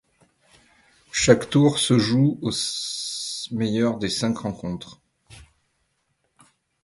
Chaque tour se joue au meilleur des cinq rencontres.